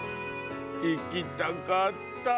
行きたかった。